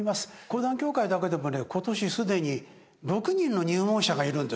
講談協会だけでもね今年既に６人の入門者がいるんですよ。